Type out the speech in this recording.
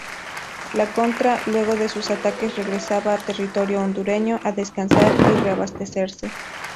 La Contra luego de sus ataques regresaba a territorio hondureño a descansar y reabastecerse.